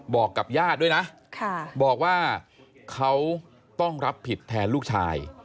บอกกับญาติด้วยนะบอกว่าเขาต้องรับผิดแทนลูกชาย